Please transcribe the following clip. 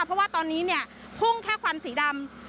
เพราะว่าตอนนี้เนี่ยพุ่งแค่ควันสีดำ